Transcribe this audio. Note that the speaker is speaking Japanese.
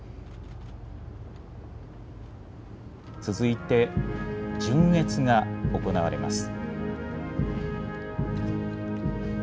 続いて巡閲が行われます。